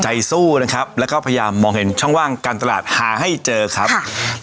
ใจสู้นะครับแล้วก็พยายามมองเห็นช่องว่างการตลาดหาให้เจอครับ